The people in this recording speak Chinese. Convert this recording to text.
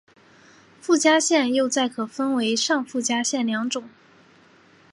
附加线又再可分为上附加线两种。